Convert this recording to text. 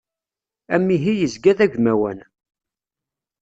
Amihi yezga d agmawan.